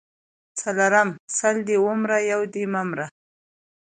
څلرم:سل دي ومره یو دي مه مره